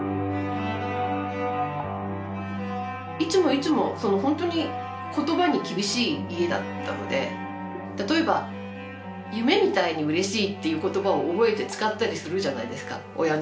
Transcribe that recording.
いつもいつもそのほんとに言葉に厳しい家だったので例えば「夢みたいにうれしい」っていう言葉を覚えて使ったりするじゃないですか親の前で。